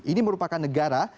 ini merupakan negara